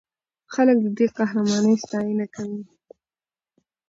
خلک د دې قهرمانۍ ستاینه کوي.